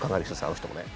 あの人もね。